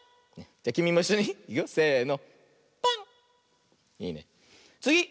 じゃきみもいっしょにいくよせの。